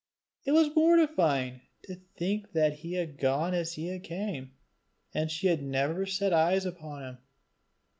It was mortifying to think that he had gone as he came, and she had never set eyes upon him.